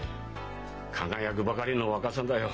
輝くばかりの若さだよ。